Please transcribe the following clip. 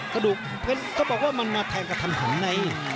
กระดูกเค้าบอกว่ามันมาแทนกับธรรมศรัทธิ์ใน